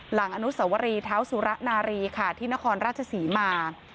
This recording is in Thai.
หลังอนุสวรีเท้าสุระนารีค่ะที่นครราชศรีมา